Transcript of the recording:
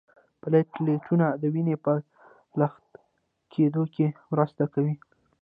پلیټلیټونه د وینې په لخته کیدو کې مرسته کوي